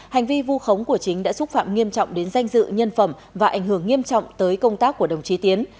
hành vi vu khống của chính đã xúc phạm nghiêm trọng đến danh dự nhân phẩm và ảnh hưởng nghiêm trọng tới công tác của đồng chí tiến